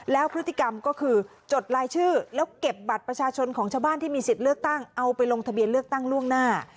แล้วพฤติกรรมก็คือจดลายชื่อแล้วเก็บบัตรประชาชนของชาวบ้านที่มีสิทธิ์เลือกตั้งเอาไปลงทะเบียนเลือกตั้งล่วงหน้า